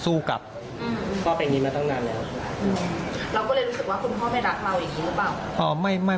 เราก็เลยรู้สึกว่าคุณพ่อไม่รักเราอย่างนี้หรือเปล่า